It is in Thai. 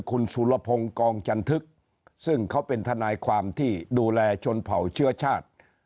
คุณสุรพงศ์กองจันทึกซึ่งเขาเป็นทนายความที่ดูแลชนเผ่าเชื้อชาติ